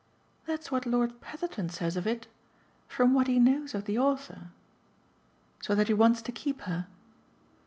"That's what Lord Petherton says of it. From what he knows of the author." "So that he wants to keep her